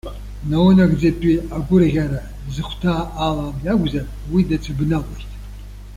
Наунагӡатәи агәырӷьара зыхәҭаа алам иакәзар, уи дацәыбналоит.